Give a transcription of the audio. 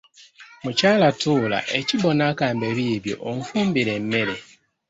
Mukyala tuula ekibbo n’akambe biibyo onfumbire emmere.